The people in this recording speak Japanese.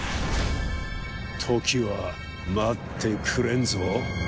時は待ってくれんぞ。